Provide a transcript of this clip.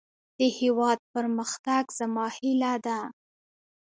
د هيواد پرمختګ زما هيله ده.